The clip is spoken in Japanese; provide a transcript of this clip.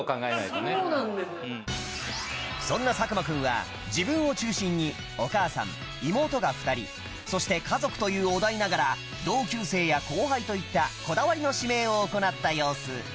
そんな佐久間君は自分を中心にお母さん妹が２人そして家族というお題ながら同級生や後輩といったこだわりの指名を行った様子